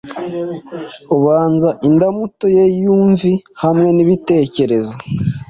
ubanza Indamuto ye yumvie, hamwe nibitekerezo